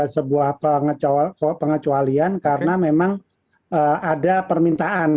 sebuah pengecualian karena memang ada permintaan